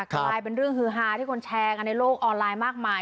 กลายเป็นเรื่องฮือฮาที่คนแชร์กันในโลกออนไลน์มากมาย